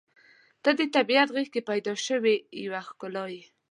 • ته د طبیعت غېږ کې پیدا شوې یوه ښکلا یې.